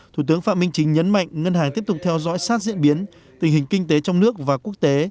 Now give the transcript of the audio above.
thủ tướng phạm minh chính nhấn mạnh ngân hàng tiếp tục theo dõi sát diễn biến tình hình kinh tế trong nước và quốc tế